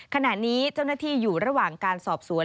ขณะนี้เจ้าหน้าที่อยู่ระหว่างการสอบสวน